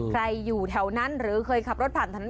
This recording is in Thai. อยู่แถวนั้นหรือเคยขับรถผ่านถนน